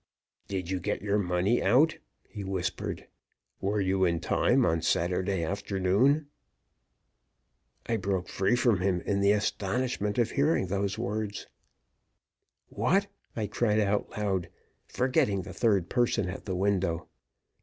"Did you get your money out?" he whispered. "Were you in time on Saturday afternoon?" I broke free from him in the astonishment of hearing those words. "What!" I cried out loud, forgetting the third person at the window.